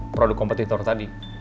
produk kompetitor tadi